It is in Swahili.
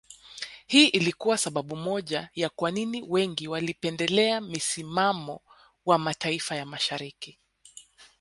Hii ilikuwa sababu moja ya kwa nini wengi walipendelea misimamo wa mataifa ya Mashariki